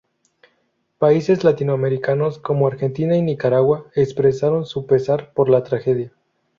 Países latinoamericanos como Argentina y Nicaragua expresaron su pesar por la tragedia.